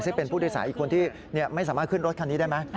ซึ่งเป็นผู้โดยสารอีกคนที่ไม่สามารถขึ้นรถคันนี้ได้ไหม